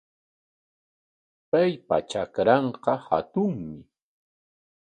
Paypa trakranqa hatunmi.